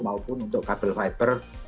maupun untuk kabel fiber